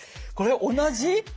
これ同じ！？